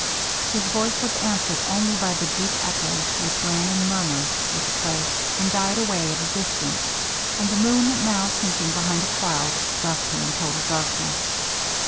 His voice was answered only by the deep echoes which ran in murmurs through the place, and died away at a distance; and the moon now sinking behind a cloud, left him in total darkness.